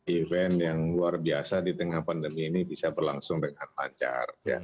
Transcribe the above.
event yang luar biasa di tengah pandemi ini bisa berlangsung dengan lancar